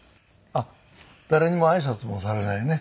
誰にもあいさつもされないね